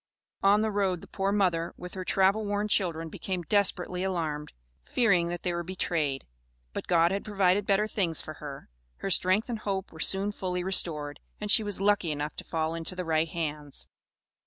On the road the poor mother, with her travel worn children became desperately alarmed, fearing that they were betrayed. But God had provided better things for her; her strength and hope were soon fully restored, and she was lucky enough to fall into the right hands.